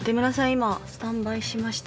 今スタンバイしました。